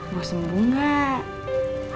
mau sembuh gak